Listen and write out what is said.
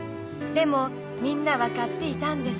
でもみんな分かっていたんですね。